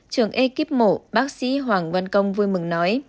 trường ekip mổ bác sĩ hoàng văn công vui mừng nói